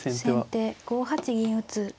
先手５八銀打。